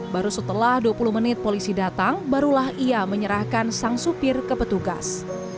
baru setelah dua puluh menit polisi datang barulah ia menyerahkan sang supir ke petugas